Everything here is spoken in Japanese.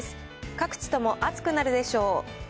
各地とも暑くなるでしょう。